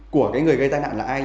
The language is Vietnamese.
của cái người gây tai nạn là ai